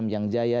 islam yang jaya